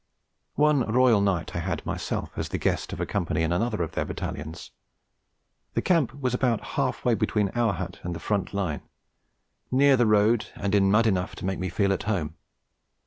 One royal night I had myself as the guest of a Company in another of their Battalions. The camp was about half way between our hut and the front line, near the road and in mud enough to make me feel at home.